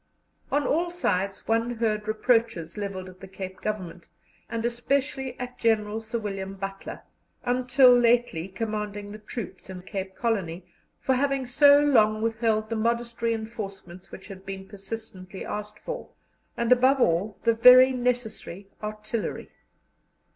On all sides one heard reproaches levelled at the Cape Government, and especially at General Sir William Butler, until lately commanding the troops in Cape Colony, for having so long withheld the modest reinforcements which had been persistently asked for, and, above all, the very necessary artillery.